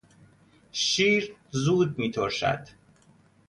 شیر زود میترشد.